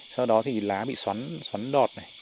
sau đó thì lá bị xoắn đọt này